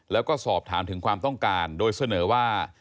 แล้วก็สอบถามถึงความต้องการโดยเสนอว่า